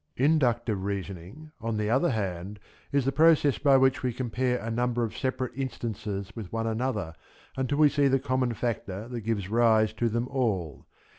Inductive reasoning; on the other hand, is the process by which we compare a number of separate instances with one another until we see the common factor that gives rise to them all.